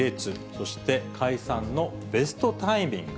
そして解散のベストタイミング。